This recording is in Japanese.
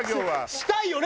したいよね！